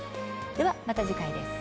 では、また次回です。